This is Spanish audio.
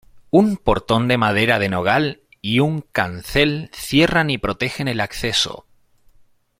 Un portón de madera de nogal y un cancel cierran y protegen el acceso.